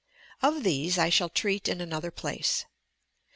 Of these I shall treat in another place.